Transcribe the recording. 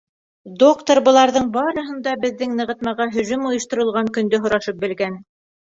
Доктор быларҙың барыһын да беҙҙең нығытмаға һөжүм ойошторолған көндә һорашып белгән.